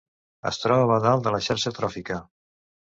Es troba a dalt de la xarxa tròfica.